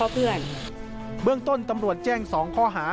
เบื้องต้นตำรวจแจ้ง๒ข้อหา